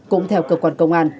cũng theo cơ quan công an